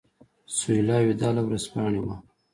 سهیلا وداع له ورځپاڼې وه.